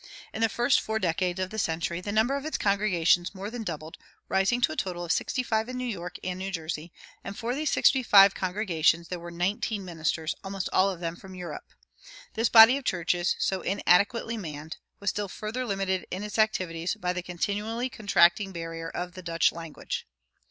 In the first four decades of the century the number of its congregations more than doubled, rising to a total of sixty five in New York and New Jersey; and for these sixty five congregations there were nineteen ministers, almost all of them from Europe. This body of churches, so inadequately manned, was still further limited in its activities by the continually contracting barrier of the Dutch language.